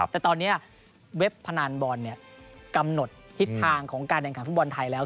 แต่ตอนนี้เว็บพนันบอลกำหนดทิศทางของการแข่งขันฟุตบอลไทยแล้ว